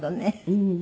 うん。